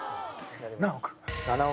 何億？